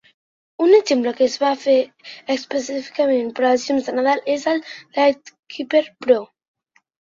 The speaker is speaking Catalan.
Un exemple que es va fer específicament per als llums de Nadal és el LightKeeper Pro.